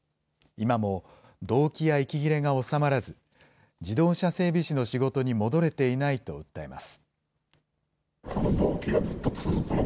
今もどうきや息切れが治まらず、自動車整備士の仕事に戻れていないと訴えます。